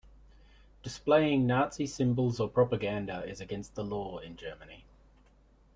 Displaying Nazi symbols or propaganda is against the law in Germany.